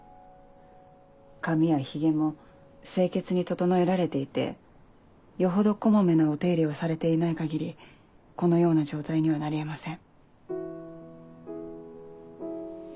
髪やヒゲも清潔に整えられていてよほど小まめなお手入れをされていない限りこのような状態にはなり得ません。